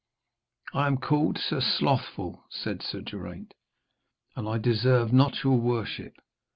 'I am called Sir Slothful,' said Sir Geraint, 'and I deserve not your worship.